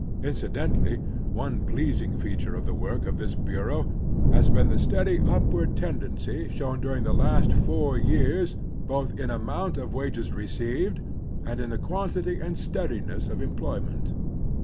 Inci dentally, one pleasing feature of the work of this btu'eau has been the steady upward tendency shown during the last fotu* years both in amount of wages received and in the quantity and steadi ness of employment.